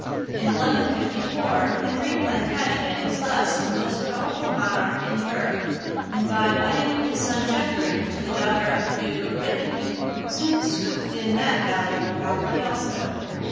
In 1154, Henry Plantagenet was thus the most powerful monarch in Europe, and by wedding his son Geoffrey to the daughter of the Duke of Brittany, soon scooped in that valuable property also.